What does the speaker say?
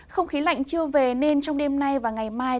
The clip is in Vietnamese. không khí lạnh chưa về nên trong đêm nay và ngày mai